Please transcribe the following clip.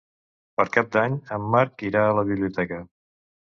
Per Cap d'Any en Marc irà a la biblioteca.